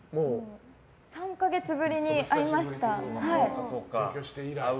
３か月ぶりに会いました。